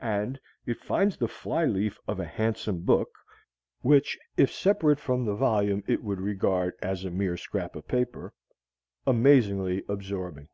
And it finds the flyleaf of a handsome book (which if separate from the volume it would regard as a mere scrap of paper) amazingly absorbing.